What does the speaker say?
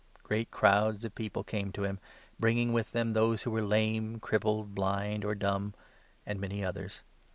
Great crowds of people came 30 to him, bringing with them those who were lame, crippled, blind, or dumb, and many others.